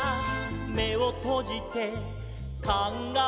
「めをとじてかんがえる」